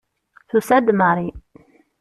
Tusa-d Mary.